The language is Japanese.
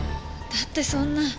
だってそんな。